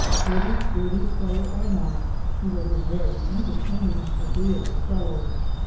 Hurdy gurdy player or not, he was a very enter taining, agreeable fellow.